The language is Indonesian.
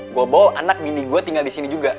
gue bawa anak mini gue tinggal di sini juga